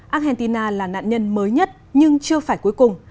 argentina là nạn nhân mới nhất nhưng chưa phải cuối cùng